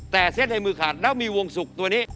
แต่เส้นในมือขาดแล้วมีวงสุกตัวนี้